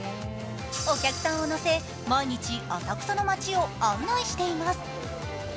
お客さんを乗せ毎日浅草の街を案内しています。